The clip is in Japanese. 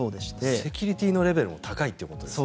セキュリティーのレベルも高いということですね？